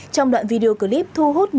trong đoạn video clip thu hút nhiều